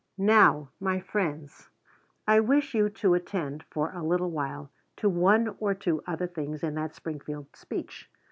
Now, my friends, I wish you to attend for a little while to one or two other things in that Springfield speech.